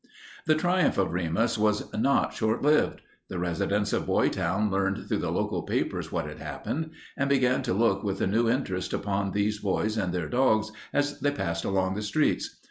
The triumph of Remus was not short lived. The residents of Boytown learned through the local papers what had happened, and began to look with a new interest upon these boys and their dogs as they passed along the streets.